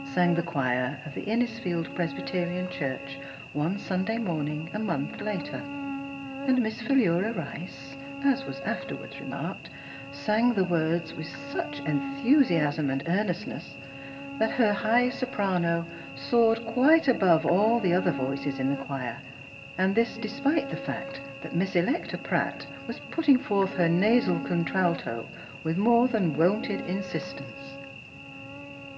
" sang the choir of the Innis field Presbyterian Church one Sunday morning a month later. And Miss Philura Rice — as was afterward remarked — sang the words with such enthusiasm and earnestness that her high soprano soared quite above all the other voices in the choir, and this despite the fact that Miss Electa Pratt was putting forth her nasal contralto with more than wonted insistence.